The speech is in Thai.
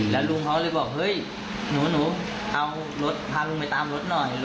แล้วลุงเขาเลยบอกเฮ้ยหนูเอารถพาลุงไปตามรถหน่อย